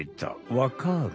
わかる？